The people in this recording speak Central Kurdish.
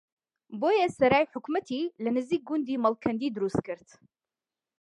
بۆیە سەرای حکومەتی لە نزیک گوندی مەڵکەندی دروستکرد